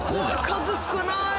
数少ない！